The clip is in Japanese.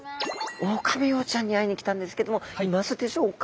オオカミウオちゃんに会いに来たんですけどもいますでしょうか？